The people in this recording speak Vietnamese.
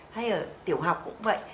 hay ở tiểu học cũng vậy